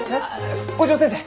校長先生